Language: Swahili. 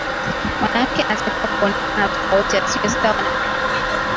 mwanamke anatakiwa kuonekana tofauti asiwe sawa na mwanaume